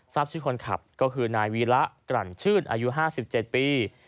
ทราบชื่อคนขับก็คือนายวีระกลั่นชื่นอายุ๕๗ปี